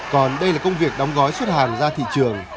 còn đây là công việc đóng gói xuất hàng ra thị trường